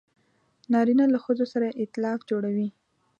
نارینه له ښځو سره ایتلاف جوړوي.